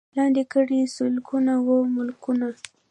لاندي کړي یې سلګونه وه ملکونه